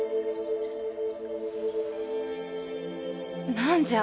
何じゃ！